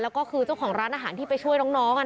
แล้วก็คือเจ้าของร้านอาหารที่ไปช่วยน้อง